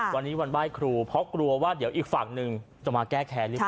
วันนี้วันไหว้ครูเพราะกลัวว่าเดี๋ยวอีกฝั่งหนึ่งจะมาแก้แค้นหรือเปล่า